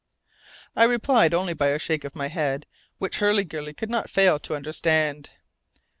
I replied only by a shake of my head, which Hurliguerly could not fail to understand.